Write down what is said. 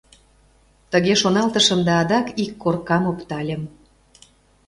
Тыге шоналтышым да адак ик коркам оптальым.